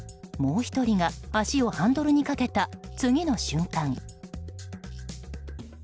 もう１人が足をハンドルにかけた次の瞬間。